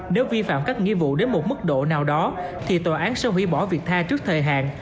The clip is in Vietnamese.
nếu vi phạm các nghĩa vụ đến một mức độ nào đó thì tòa án sẽ hủy bỏ việc tha trước thời hạn